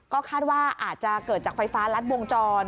ก็คาดว่าอาจจะเกิดจากไฟฟ้ารัดวงจร